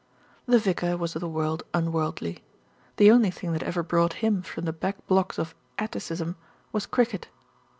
The vicar was of the world unworldly. The only thing that ever brought him from "the back blocks of Atticism" was cricket.